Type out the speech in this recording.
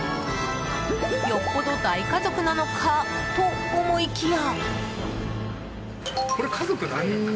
よっぽど大家族なのかと思いきや。